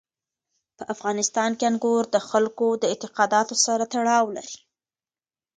په افغانستان کې انګور د خلکو د اعتقاداتو سره تړاو لري.